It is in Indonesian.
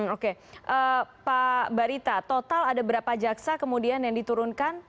oke pak barita total ada berapa jaksa kemudian yang diturunkan